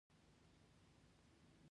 د خیبر دره څه تاریخي ارزښت لري؟